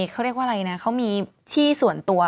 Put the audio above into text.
เขาเรียกว่าอะไรนะเขามีที่ส่วนตัว